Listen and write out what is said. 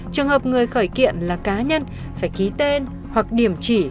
trường hợp người khởi kiện là cá nhân phải ký tên hoặc điểm chỉ